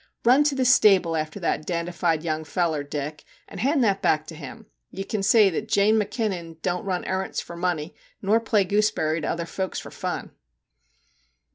* Run to the stable after that dandified young feller, Dick, and hand that back to him. Ye kin say that Jane Mackinnon don't run arrants fur money, nor play gooseberry to other folks fur fun.'